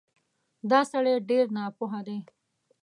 دا سړی ډېر ناپوه دی